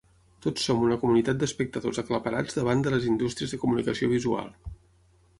Tots som una comunitat d'espectadors aclaparats davant de les indústries de comunicació visual.